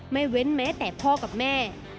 เว้นแม้แต่พ่อกับแม่